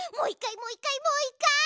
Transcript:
もう１かいもう１かい！